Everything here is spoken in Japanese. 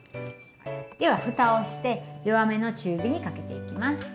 ではふたをして弱めの中火にかけていきます。